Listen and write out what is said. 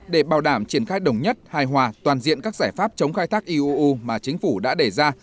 để bảo đảm triển khai đồng nhất hài hòa toàn diện các giải pháp chống khai thác iuu mà chính phủ đã đề ra